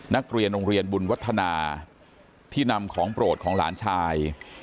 นักเรียนโรงเรียนบุญวัฒนาที่นำของโปรดของหลานชาย